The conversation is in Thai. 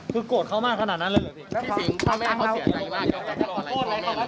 กดเขามากขนาดนั้นเลย